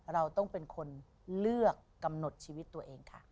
เราต้องเป็นคนเลือกกำหนดชีวิตตัวเองค่ะ